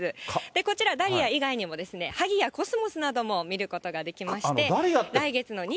こちら、ダリア以外にもハギやコスモスなども見ることができまして。